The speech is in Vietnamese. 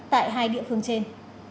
tại hai địa phương trên